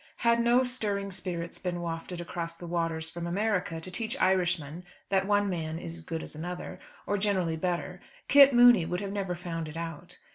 Had no stirring spirits been wafted across the waters from America to teach Irishmen that one man is as good as another, or generally better, Kit Mooney would never have found it out.